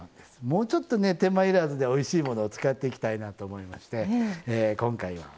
もうちょっとね手間要らずでおいしいものを使っていきたいなと思いまして今回はめんつゆですね